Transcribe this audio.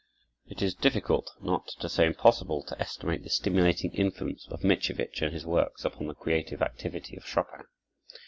It is difficult, not to say impossible, to estimate the stimulating influence of Mickiewicz and his works upon the creative activity of Chopin.